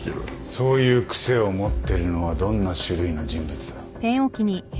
そういう癖を持ってるのはどんな種類の人物だ？